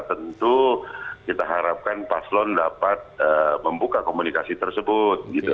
tentu kita harapkan paslon dapat membuka komunikasi tersebut